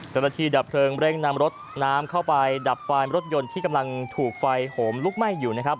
ดับเพลิงเร่งนำรถน้ำเข้าไปดับไฟรถยนต์ที่กำลังถูกไฟโหมลุกไหม้อยู่นะครับ